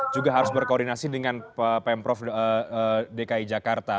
juga harus berkoordinasi dengan pemprov dki jakarta